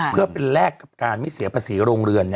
เพื่อเป็นแลกกับการไม่เสียภาษีโรงเรือน